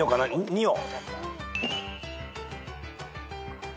２を。